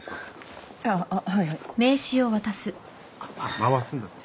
回すんだって。